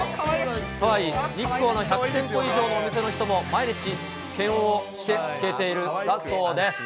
日光の１００店舗以上のお店の人も毎日検温してつけているんだそ